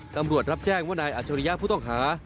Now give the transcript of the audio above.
ตำรวจรับแจ้งว่านายอัจฉริยะผู้ต้องหา